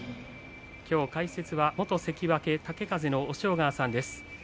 きょう解説は元関脇豪風の押尾川さんです。